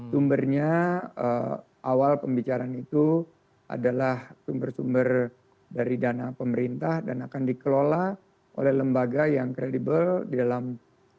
sumbernya awal pembicaraan itu adalah sumber sumber dari dana pemerintah dan akan dikelola oleh lembaga yang kredibel dalam